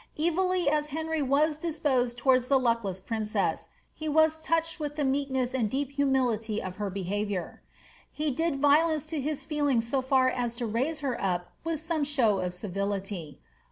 ^ Evilly as Henry was disposed towards the luckless princess, be was touched with the meekness and deep humility of her behiavionr. He did violence to his feelings so far as to raise her up with some show of civility.